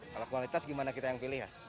kalau kualitas gimana kita yang pilih ya